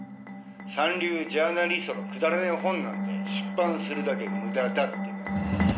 「三流ジャーナリストのくだらない本なんて出版するだけ無駄だってな」